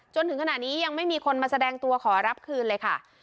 จนถึงขณะนี้ยังไม่มีคนมาแสดงตัวขอรับคืนเลยค่ะ